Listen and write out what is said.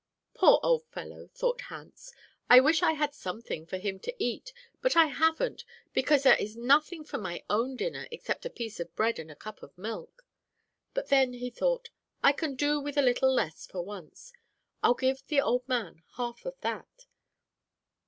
"'Poor old fellow,' thought Hans. 'I wish I had something for him to eat; but I haven't, because there is nothing for my own dinner except a piece of bread and a cup of milk.' But then he thought, 'I can do with a little less for once. I'll give the old man half of that.'